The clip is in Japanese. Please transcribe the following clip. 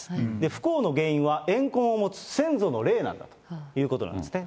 不幸の原因は怨恨を持つ先祖の霊なんだということなんですね。